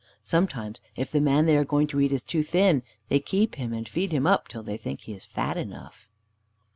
Sometimes, if the man they are going to eat is too thin, they keep him, and feed him up, till they think he is fat enough.